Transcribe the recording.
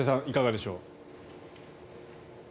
いかがでしょう。